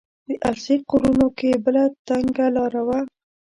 د السیق غرونو کې بله تنګه لاره وه.